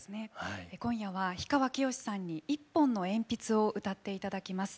今夜は氷川きよしさんに「一本の鉛筆」を歌っていただきます。